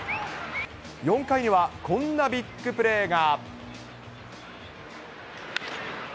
４回にはこんなビッグプレーが。